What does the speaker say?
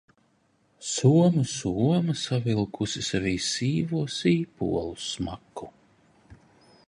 Somu soma savilkusi sevī sīvo sīpolu smaku.